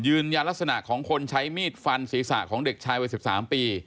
ลักษณะของคนใช้มีดฟันศีรษะของเด็กชายวัย๑๓ปี